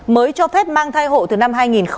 mới cho phép mang thai hộ từ năm hai nghìn một mươi sáu